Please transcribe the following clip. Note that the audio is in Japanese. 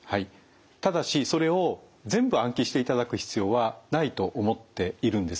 ただしそれを全部暗記していただく必要はないと思っているんです。